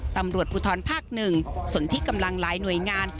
ตำรวจภูทรภาค๑ส่วนที่กำลังหลายหน่วยงาน